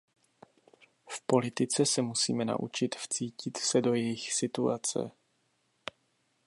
V politice se musíme naučit vcítit se do jejich situace.